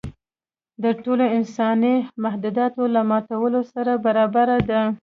د ټولو انساني معاهداتو له ماتولو سره برابر دی.